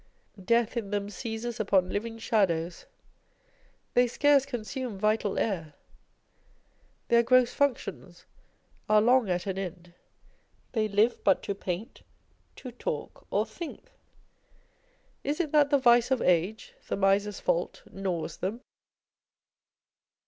Death in them seizes upon living shadows. They scarce consume vital air : their gross functions are long at an end â€" they live but to paint, to talk or think. Is it that the vice of age, the miser's fault, gnaws them